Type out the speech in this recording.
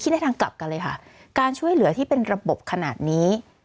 ในทางกลับกันเลยค่ะการช่วยเหลือที่เป็นระบบขนาดนี้